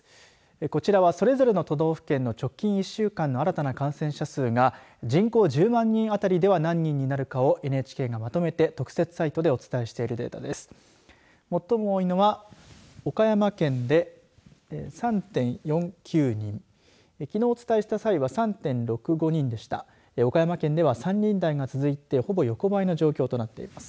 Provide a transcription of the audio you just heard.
こちらは、それぞれの都道府県の直近１週間の新たな感染者数が人口１０万人あたりでは何人になるかをＮＨＫがまとめて特設サイトでお伝えしているデータです。